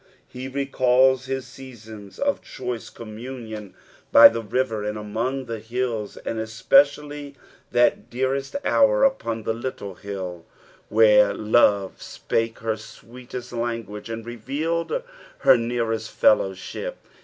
He recalls his seasona of choice communion b; the river and among the hiila, and especially that dearest hour upon the little hill, where love spake her sweetest language and revealed her nearest fellowship.